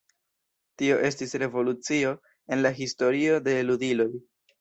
Tio estis revolucio en la historio de ludiloj.